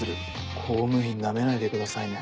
公務員ナメないでくださいね。